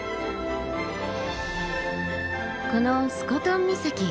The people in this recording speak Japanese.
このスコトン岬